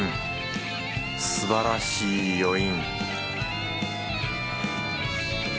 すばらしい余韻